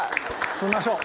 包みましょう！